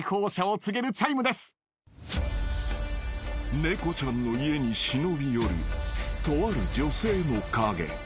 ［猫ちゃんの家に忍び寄るとある女性の影］